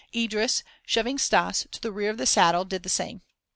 Idris, shoving Stas to the rear of the saddle, did the same.